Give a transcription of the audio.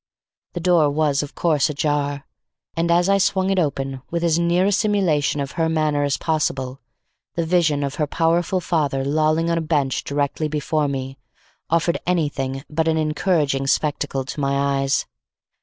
The door was of course ajar, and as I swung it open with as near a simulation of her manner as possible, the vision of her powerful father lolling on a bench directly before me, offered anything but an encouraging spectacle to my eyes.